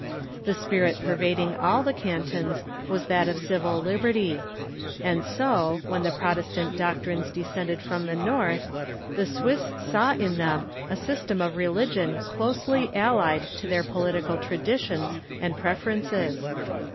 The spirit pervading all the cantons Avas that of civil liberty ; and so, when the Protestant doctrines de scended from the North the Swiss saw in them a system of re ligion closely allied to their political traditions and preferences.